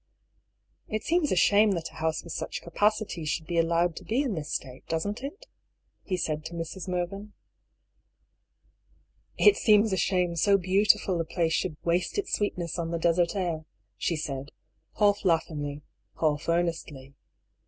It seems a shame that a house with such capacities should be allowed to be in this state, doesn't it ?" he said to Mrs. Mervyn. " It seems a shame so beautiful a place should ' waste its sweetness on the desert air,' " she said, half laughingly, half earnestly.